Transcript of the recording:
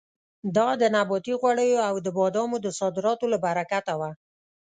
دا د نباتي غوړیو او د بادامو د صادراتو له برکته وه.